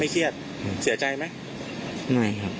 เครียดเสียใจไหมไม่ครับ